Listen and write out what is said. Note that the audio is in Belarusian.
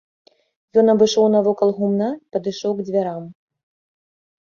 Ён абышоў навакол гумна і падышоў к дзвярам.